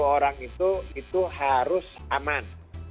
lima puluh orang itu harus aman